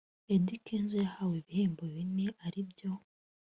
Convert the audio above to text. Eddy Kenzo yahawe ibihembo bine ari byo